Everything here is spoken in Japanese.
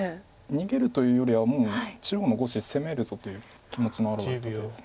逃げるというよりはもう中央の５子攻めるぞという気持ちの表れた手です。